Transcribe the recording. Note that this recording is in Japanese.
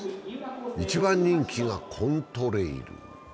一番人気がコントレイル。